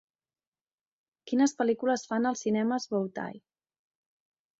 quines pel·lícules fan als cinemes Bow Tie